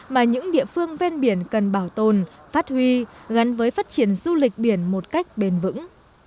mà những địa phương ven biển cần bảo tồn phát huy gắn với phát triển du lịch biển một cách bền vững